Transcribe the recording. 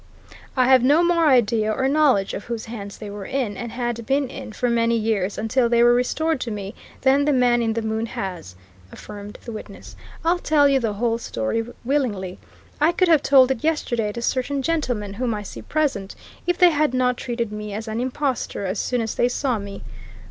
"I have no more idea or knowledge of whose hands they were in, and had been in, for many years, until they were restored to me, than the man in the moon has!" affirmed the witness. "I'll tell you the whole story willingly: I could have told it yesterday to certain gentlemen, whom I see present, if they had not treated me as an impostor as soon as they saw me.